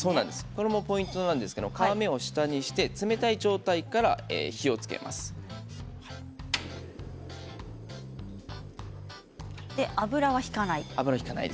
これもポイントなんですが皮目を下にして冷たい状態から油は引かない。